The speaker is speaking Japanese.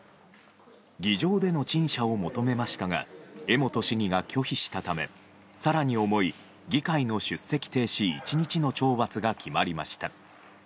議場での陳謝を求めましたが江本市議が拒否したため更に重い議会の出席停止１日の懲罰が決まりました。